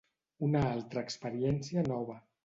Una altra experiència nova.